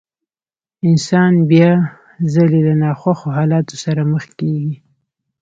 انسان بيا ځلې له ناخوښو حالاتو سره مخ کېږي.